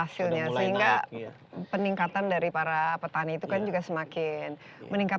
sehingga peningkatan dari para petani itu kan juga semakin meningkat